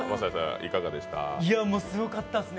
すごかったですね